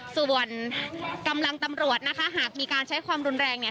ส่วนกำลังตำรวจนะคะหากมีการใช้ความรุนแรงเนี่ย